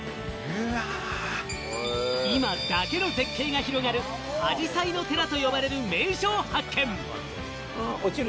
今だけの絶景が広がる、あじさいの寺と呼ばれる名所を発見。